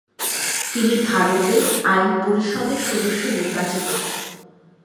তিনি ভারতের আইন পরিষদের সদস্য নির্বাচিত হন।